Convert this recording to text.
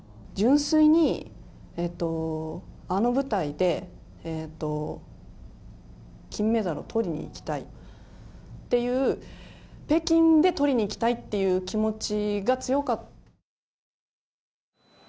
純粋にあの舞台で金メダルをとりにいきたいっていう、北京でとりにいきたいっていう気持ちが強かった。